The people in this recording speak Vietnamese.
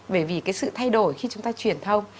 bởi vì cái sự thay đổi khi chúng ta truyền thông